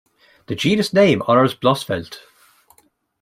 The genus name honours Blossfeld.